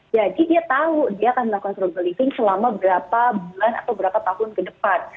jadi dia tahu dia akan melakukan frugal living selama berapa bulan atau berapa tahun ke depan